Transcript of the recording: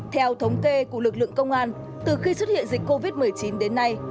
theo thống kê của lực lượng công an từ khi xuất hiện dịch covid một mươi chín đến nay